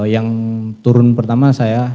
yang turun pertama saya